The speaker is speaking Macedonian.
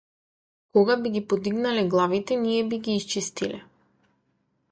Кога би ги подигнале главите, ние би ги исчистиле!